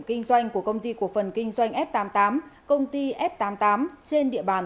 kinh doanh của công ty cổ phần kinh doanh f tám mươi tám công ty f tám mươi tám trên địa bàn